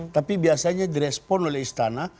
tapi biasanya direspon oleh istana